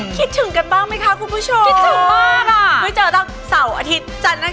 เพื่อนคุณให้เป็นศุกราษแม่บ้านตัวจริง